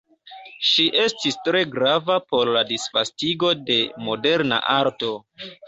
Ŝi estis tre grava por la disvastigo de moderna arto.